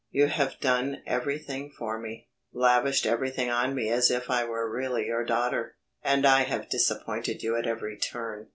You have done everything for me, lavished everything on me as if I were really your daughter, and I have disappointed you at every turn.